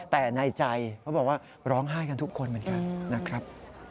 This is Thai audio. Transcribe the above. แต่ในใจเขาบอกว่าร้องไห้กันทุกคนเหมือนกันนะครับ